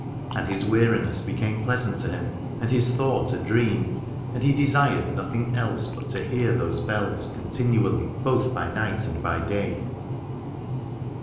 And his weariness became pleasant to him and his thought a dream : and he desired nothing else but to hear those bells continually both by night and by day.